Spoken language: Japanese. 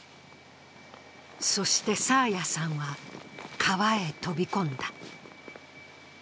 そして、爽彩さんは川へ飛び込んだ。